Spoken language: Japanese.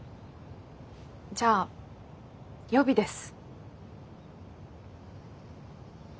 じゃあ予備です。